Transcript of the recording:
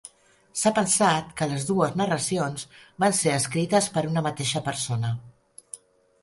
S'ha pensat que les dues narracions van ser escrites per una mateixa persona.